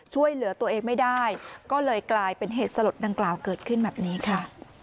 ช่วยเหลือตัวเองไม่ได้ก็เลยกลายเป็นเหตุสลดดังกล่าวเกิดขึ้นแบบนี้ค่ะ